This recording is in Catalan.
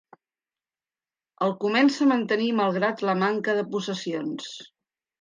El comença a mantenir malgrat la manca de possessions.